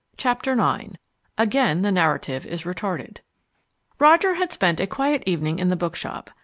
Chapter IX Again the Narrative is Retarded Roger had spent a quiet evening in the bookshop.